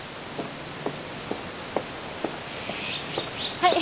はい。